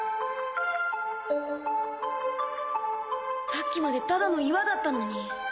さっきまでただの岩だったのに。